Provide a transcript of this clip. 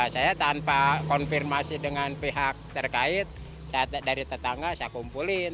saya tanpa konfirmasi dengan pihak terkait dari tetangga saya kumpulin